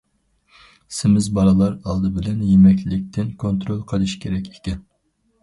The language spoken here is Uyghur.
سېمىز بالىلار ئالدى بىلەن يېمەكلىكتىن كونترول قىلىشى كېرەك ئىكەن.